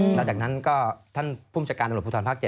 หลังจากนั้นก็ท่านภูมิชาการตำรวจภูทรภาค๗